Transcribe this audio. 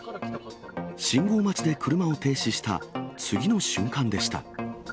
信号待ちで車を停止した次の瞬間